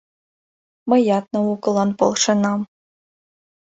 «Мыят наукылан полшенам.